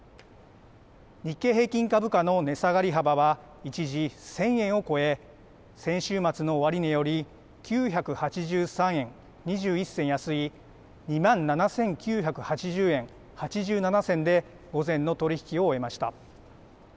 日経平均株価の値下がり幅は、一時、１０００円を超え先週末の終値より９８３円２１銭安い２万７９８０円８７銭で午前の取り引きを終えました。